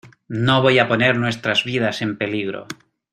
no voy a poner nuestras vidas en peligro.